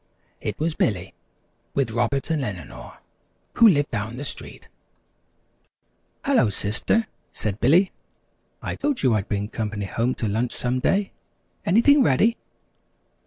It was Billy with Robert and Eleanor who lived down the street. "Hello, Sister," said Billy, "I told you I'd bring company home to lunch some day. Anything ready?"